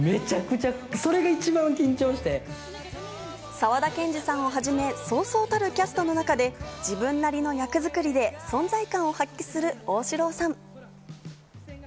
沢田研二さんをはじめ、そうそうたるキャストの中で自分なりの役作りで存在感を発揮する旺志郎さん。